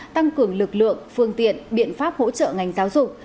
tăng cường lực lượng phương tiện biện pháp hỗ trợ ngành giáo dục